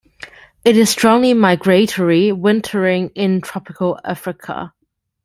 It is strongly migratory, wintering in tropical Africa.